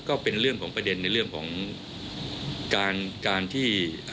ก็เป็นเรื่องของประเด็นในเรื่องของการการที่